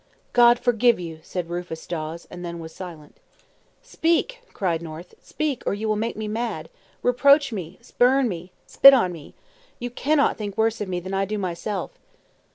"God forgive you!" said Rufus Dawes, and then was silent. "Speak!" cried North. "Speak, or you will make me mad. Reproach me! Spurn me! Spit upon me! You cannot think worse of me than I do myself."